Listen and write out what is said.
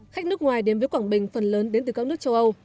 khách nước ngoài đến với quảng bình phần lớn đến từ các nước châu âu